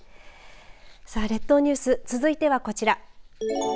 さあ列島ニュース続いてはこちら。